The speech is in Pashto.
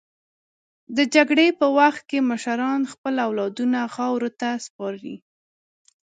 د جګړې په وخت کې مشران خپل اولادونه خاورو ته سپاري.